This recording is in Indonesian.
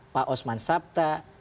pak osman sabta